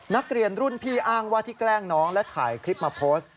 นักเรียนรุ่นพี่อ้างว่าที่แกล้งน้องและถ่ายคลิปมาโพสต์